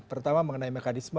pertama mengenai mekanisme